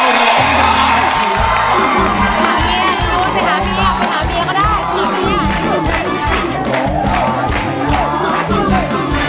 ได้ครับ